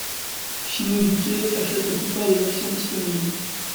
Shinnosuke achète la plupart des actions disponibles.